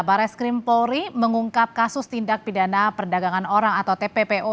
bares krim polri mengungkap kasus tindak pidana perdagangan orang atau tppo